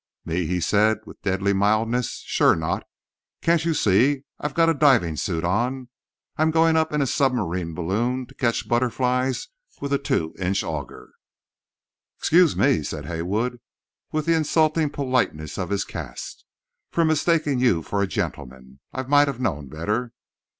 "Me?" he said, with deadly mildness; "sure not. Can't you see I've got a divin' suit on? I'm goin' up in a submarine balloon to catch butterflies with a two inch auger. "Excuse me," said Haywood, with the insulting politeness of his caste, "for mistaking you for a gentleman. I might have known better."